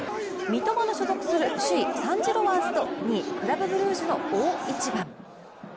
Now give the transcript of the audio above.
三笘の所属する首位・サン＝ジロワーズと２位、クラブ・ブルージュの大一番。